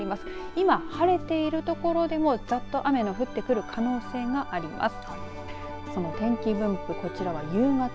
今、晴れている所でもざっと雨、降ってくる可能性があります。